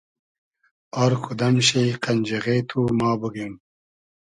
از کودئم شی قئنجیغې تو ما بوگیم